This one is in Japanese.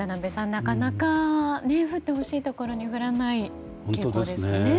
なかなか、降ってほしいところに降らない傾向ですかね。